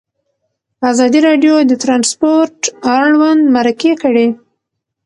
ازادي راډیو د ترانسپورټ اړوند مرکې کړي.